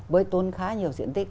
bới tốn khá nhiều diện tích